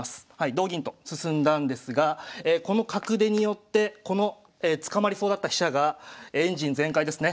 同銀と進んだんですがこの角出によってこの捕まりそうだった飛車がエンジン全開ですね。